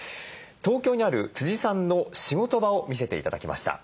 東京にあるさんの仕事場を見せて頂きました。